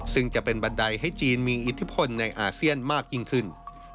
ซึ่งจะเป็นบันไดให้จีนมีอิทธิพลในอาเซียนมากยิ่งขึ้น